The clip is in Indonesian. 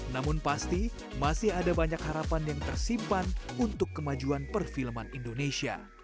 namun pasti masih ada banyak harapan yang tersimpan untuk kemajuan perfilman indonesia